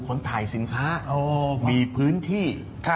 คนถ่ายสินค้ามีพื้นที่